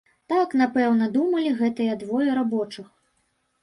Так, напэўна, думалі гэтыя двое рабочых.